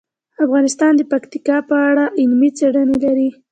افغانستان د پکتیا په اړه علمي څېړنې لري.